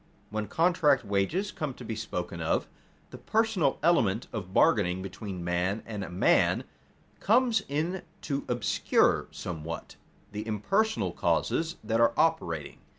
_ When contract wages come to be spoken of, the personal element of bargaining between man and man comes in to obscure somewhat the impersonal causes that are operating.